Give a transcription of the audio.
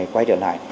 quay trở lại